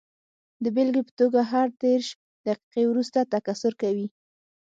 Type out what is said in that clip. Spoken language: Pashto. د بېلګې په توګه هر دېرش دقیقې وروسته تکثر کوي.